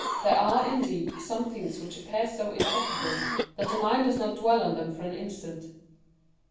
There are, indeed, some things which appear so impossible that the mind does not dwell on them for an instant.